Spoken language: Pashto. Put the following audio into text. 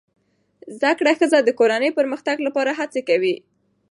زده کړه ښځه د کورنۍ پرمختګ لپاره هڅې کوي